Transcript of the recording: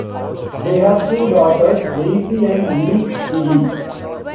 They have two daughters: Maisy and Mini Ivy.